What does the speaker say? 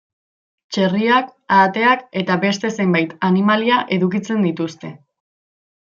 Txerriak, ahateak eta beste zenbait animalia edukitzen dituzte.